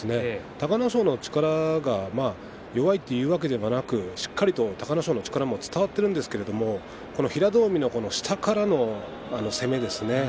隆の勝も力が弱いというわけではなくしっかりと隆の勝の力も伝わっているんですけれど平戸海の下からの攻めですね。